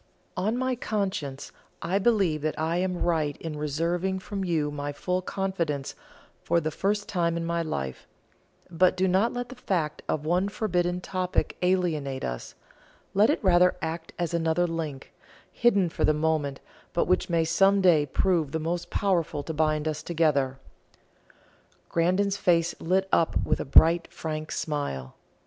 On my conscience I believe that I am right in reserving from you my full confidence for the first time in my life; but do not let the fact of one forbidden topic alienate us let it rather act as another link, hidden for the moment, but which may some day prove the most powerful to bind us together." Grandon's face lit up with a bright frank smile.